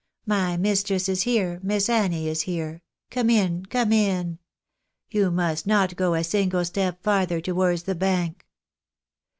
My mistress is here. Miss Annie is here — come in— come in! You must not go a single step farther towards the Bank."